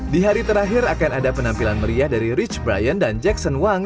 di hari terakhir akan ada penampilan meriah dari rich brian dan jackson wang